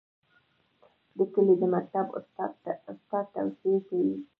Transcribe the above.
د کلي د مکتب استاد توصیې کوي.